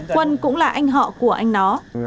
quân cũng là anh họ của anh nó